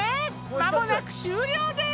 間もなく終了です